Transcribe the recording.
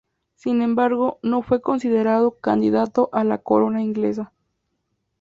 Sin embargo, no fue considerado candidato a la corona inglesa.